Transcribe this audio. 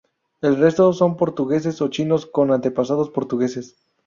El resto son portugueses o chinos con antepasados portugueses.